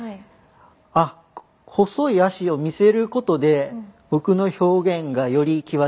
あ細い脚を見せることで僕の表現がより際立つというか。